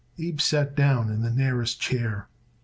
Abe sat down in the nearest chair.